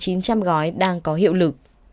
trường còn chín trăm linh gói đang có hiệu lực